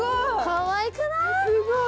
かわいくない？